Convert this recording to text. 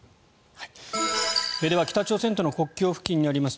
では北朝鮮との国境付近にあります